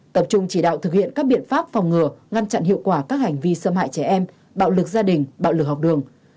tập trung chỉ đạo thực hiện các biện pháp phòng ngừa ngăn chặn hiệu quả các hành vi xâm hại trẻ em bạo lực gia đình bạo lực học đường